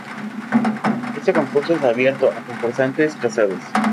Este concurso es abierto a concursantes casadas.